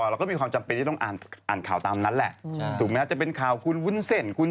แล้วก็อะไรอีกแหร่